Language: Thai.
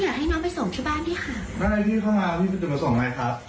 ค่ะจริงค่ะพี่สาบาทพี่ไม่ได้เข้าตั้งใจมาขโมยของค่ะ